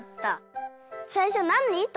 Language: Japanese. さいしょ「なに？」とおもった。